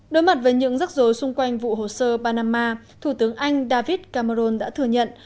đối mặt với những rắc rối xung quanh vụ hồ sơ panama thủ tướng anh david cameron đã thừa nhận